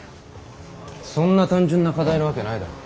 そんな単純な課題のわけないだろ。